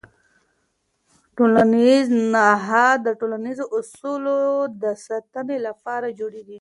ټولنیز نهاد د ټولنیزو اصولو د ساتنې لپاره جوړېږي.